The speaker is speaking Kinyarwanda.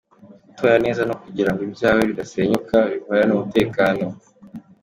Gutora neza ni ukugira ngo ibyawe bidasenyuka, bihorane umutekano.